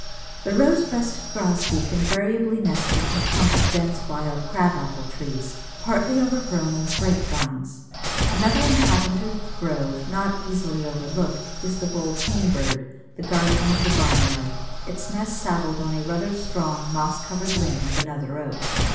The Rose breasted Grosbeak invariably nested in a clump of dense wild Crab apple trees, partly overgrown with grape vines. Another inhabitant of the grove not easily overlooked, is the bold Kingbird, the guardian of the barnyard, its nest saddled on a rather strong moss covered limb of another Oak.